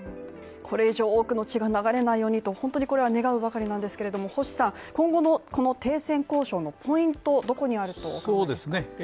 これ以上多くの血が流れないようにと、本当にこれは願うばかりなんですけども今後の停戦交渉のポイント、どこにあると思いますか。